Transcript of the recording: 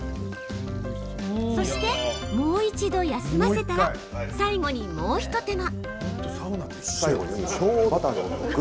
そして、もう一度休ませたら最後にもう一手間。